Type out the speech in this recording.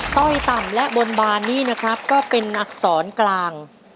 ้อยต่ำและบนบานนี้นะครับก็เป็นอักษรกลาง